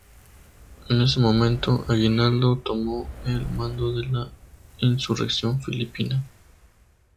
En ese momento, Aguinaldo tomó el mando de la insurrección filipina.